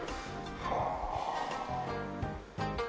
はあ。